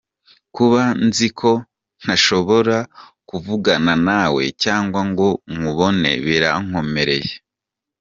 Kuba nziko ntashobora kuvugana nawe cyangwa ngo nkubone birankomereye.